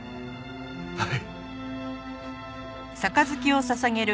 はい。